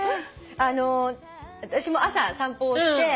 あたしも朝散歩をして。